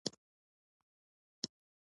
ما ورته وویل چې سګرټ مې پرې ایښي دي.